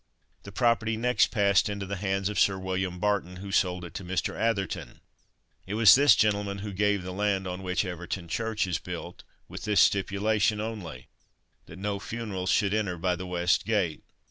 The property next passed into the hands of Sir William Barton, who sold it to Mr. Atherton. It was this gentleman who gave the land on which Everton Church is built, with this stipulation only that no funerals should enter by the West Gate.